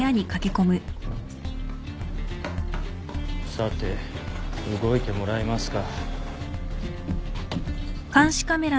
さて動いてもらいますか。